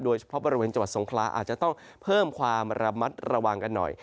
โดยเฉพาะบริเวณจังหวัดสงคลาอาจจะต้องเพิ่มความระมัดระวังกันหน่อย